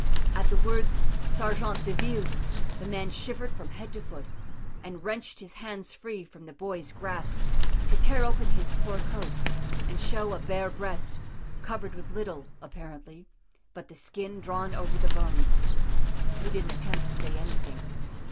"_ At the words sergents de ville the man shivered from head to foot, and wrenched his hands free from the boys' grasp to tear open his poor coat, and show a bare breast, covered with little, apparently, but the skin drawn over the bones. He didn't attempt to say anything.